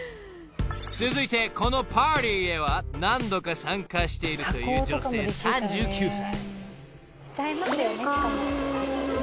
［続いてこのパーティーへは何度か参加しているという女性３９歳］